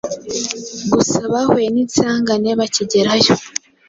gusa bahuye n’insangane bakigerayo